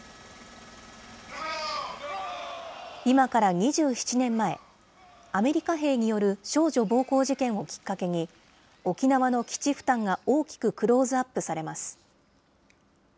今から２７年前、アメリカ兵による少女暴行事件をきっかけに、沖縄の基地負担が大きくクローズアップされます。